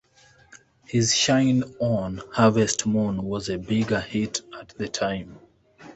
His "Shine On, Harvest Moon" was a bigger hit at the time.